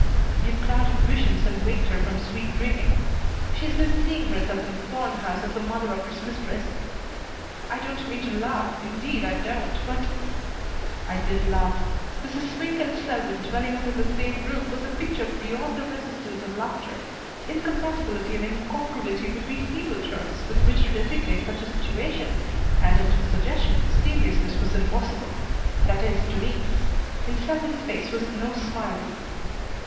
"You've clouded visions and waked her from sweet dreaming. She's been seeing herself in the Thorne house as the mother of its mistress. I don't mean to laugh, indeed I don't, but " I did laugh. Mrs. Swink and Selwyn dwelling under the same roof was a picture beyond the resistance of laughter. Incompatibility and incongruity would be feeble terms with which to designate such a situation, and at its suggestion seriousness was impossible. That is, to me. In Selwyn's face was no smiling.